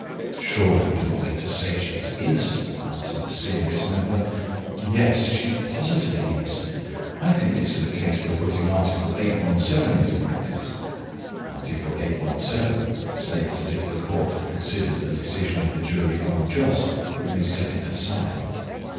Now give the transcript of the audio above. "Surely you do not mean to say she is innocent?" answered the serious member. "Yes, she is positively innocent. I think this is a case for putting Article 817 into practice (Article 817 states that if the Court considers the decision of the jury unjust it may set it aside)."